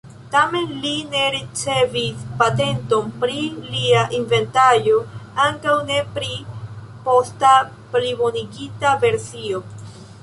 Tamen li ne ricevis patenton pri lia inventaĵo, ankaŭ ne pri posta plibonigita versio.